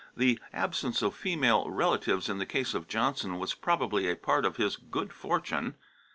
The absence of female relatives in the case of Johnson was probably a part of his good fortune.